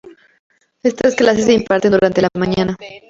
Estas clases se imparten durante la mañana.